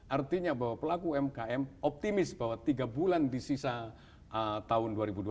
artinya bahwa pelaku umkm optimis bahwa tiga bulan di sisa tahun dua ribu dua puluh